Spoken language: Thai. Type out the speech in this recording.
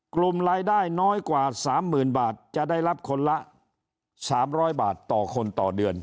กลุ่มรายได้น้อยกว่า๓๐๐๐บาทจะได้รับคนละ๓๐๐บาทต่อคนต่อเดือน